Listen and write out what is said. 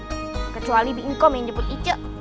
enggak mau kecuali bingkong yang jemput ica